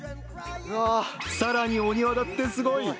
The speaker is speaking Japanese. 更にお庭だってすごい。